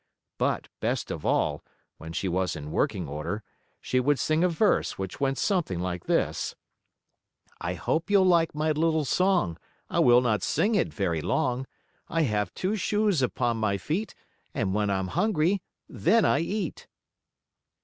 But, best of all, when she was in working order, she would sing a verse, which went something like this: "I hope you'll like my little song, I will not sing it very long. I have two shoes upon my feet, And when I'm hungry, then I eat."